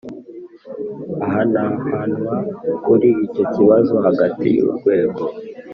Ahanahanwa kuri icyo kibazo hagati y urwego